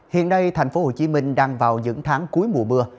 hiện nay tp hcm đang vào những tháng cuối mùa mưa